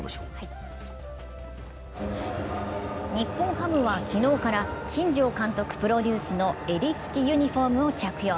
日本ハムは昨日から新庄監督プロデュースの襟付きユニフォームを着用。